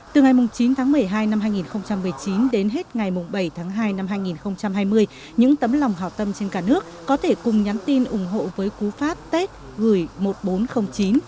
từ ngày chín tháng một mươi hai năm hai nghìn một mươi chín đến hết ngày bảy tháng hai năm hai nghìn hai mươi những tấm lòng hào tâm trên cả nước có thể cùng nhắn tin ủng hộ với cú pháp tết gửi một nghìn bốn trăm linh chín